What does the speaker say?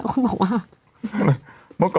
คนบอกว่า